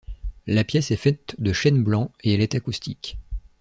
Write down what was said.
La pièce est faite de chêne blanc et elle est acoustique.